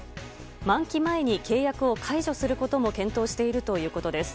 満期前に契約を解除することも検討しているということです。